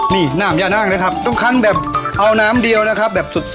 นี่น้ำยานั่งนะครับทุกคันแบบเอาน้ำเดียวนะครับแบบสุด